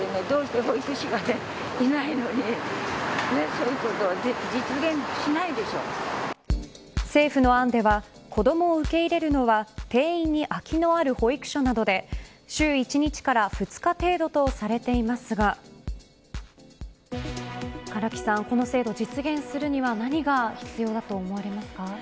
評価する声がある一方で政府の案では子どもを受け入れるのは定員に空きのある保育所などで週１日から２日程度とされていますが唐木さん、この制度実現するには何が必要だと思われますか。